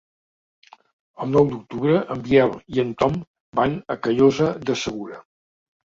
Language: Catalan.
El nou d'octubre en Biel i en Tom van a Callosa de Segura.